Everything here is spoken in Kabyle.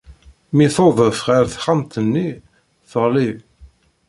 Mi tudef ɣer texxamt-nni, teɣli.